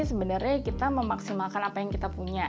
sebenarnya kita memaksimalkan apa yang kita punya